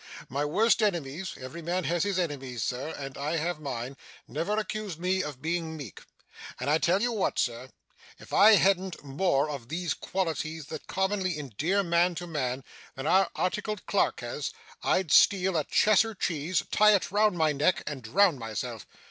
My worst enemies every man has his enemies, Sir, and I have mine never accused me of being meek. And I tell you what, Sir, if I hadn't more of these qualities that commonly endear man to man, than our articled clerk has, I'd steal a Cheshire cheese, tie it round my neck, and drown myself.